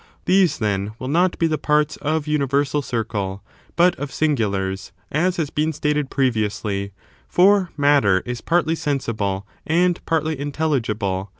These, then, will not be the parts of universal circle, but of singulars, as has been stated previously, for matter is partly sensible and partly intelligible.